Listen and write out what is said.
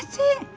nih lu kasih